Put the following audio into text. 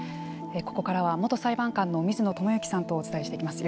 ここからは、元裁判官の水野智幸さんとお伝えしていきます。